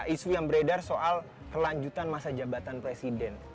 isu yang beredar soal kelanjutan masa jabatan presiden